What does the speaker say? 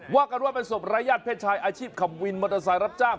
ว่ากันว่าเป็นศพรายญาติเพศชายอาชีพขับวินมอเตอร์ไซค์รับจ้าง